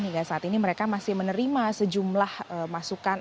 hingga saat ini mereka masih menerima sejumlah masukan